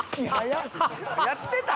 「やってた？